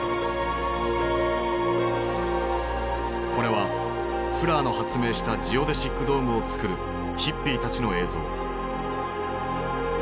これはフラーの発明したジオデシックドームをつくるヒッピーたちの映像。